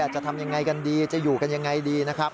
จะทำยังไงกันดีจะอยู่กันยังไงดีนะครับ